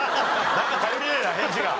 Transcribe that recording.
なんか頼りねえな返事が。